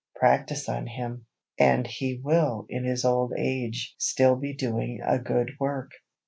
Practise on him, and he will in his old age still be doing a good work.